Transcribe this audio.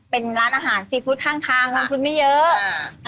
เป็นร้านอาหารซีฟู้ดข้างทางลงทุนไม่เยอะ